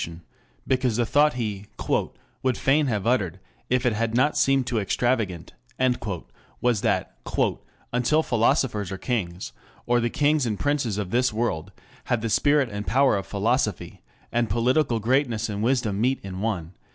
] because the thought he "would fain have uttered if it had not seemed too extravagant" was that "until philosophers are kings, or the kings and princes of this world have the spirit and power of philosophy, and political greatness and wisdom meet in one...